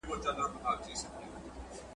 دا يوه ژمنه ده، چي بايد تازه سي.